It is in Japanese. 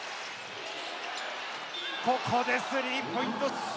ここでスリーポイント。